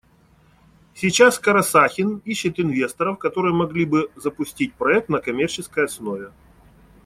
Сейчас Карасахин ищет инвесторов, которые могли бы запустить проект на коммерческой основе.